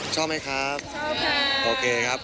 ชอบไหมครับโอเคครับ